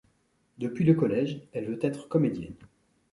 Depuis le collège, elle veut être comédienne.